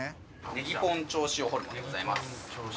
ネギポン超塩ホルモンでございます。